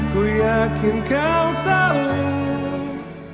kuyakin kau tahu